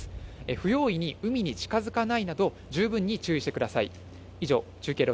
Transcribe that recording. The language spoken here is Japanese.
不用意に海に近づかないなど、十分に注意してください。